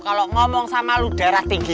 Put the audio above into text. kalau ngomong sama lu darah tinggi